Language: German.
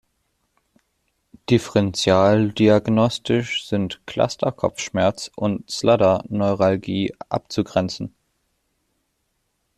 Differenzialdiagnostisch sind Cluster-Kopfschmerz und Sluder-Neuralgie abzugrenzen.